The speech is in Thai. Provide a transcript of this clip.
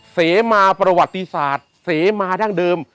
เสมาประวัติศาสตร์เสมาดั้งเดิม